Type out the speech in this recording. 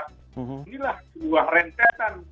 inilah sebuah rentetan